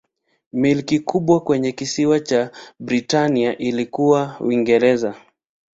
Milki kubwa kwenye kisiwa cha Britania ilikuwa Uingereza.